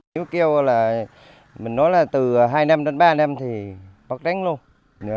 nếu keo là mình nói là từ hai năm đến ba năm thì bắt đánh luôn